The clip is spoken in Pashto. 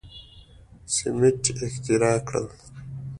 سیمنټ یې اختراع کړل.